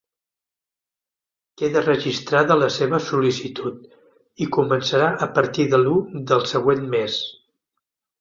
Queda registrada la seva sol·licitud i començarà a partir de l'u del següent mes.